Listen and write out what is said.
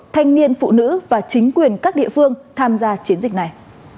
thanh niên phụ nữ và chính quyền các địa phương tham gia chiến dịch này